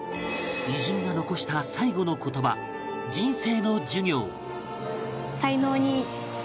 偉人が残した最期の言葉人生の授業